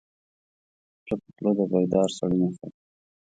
چپه خوله، د بیدار سړي نښه ده.